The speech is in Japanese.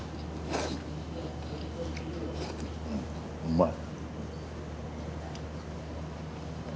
うまい。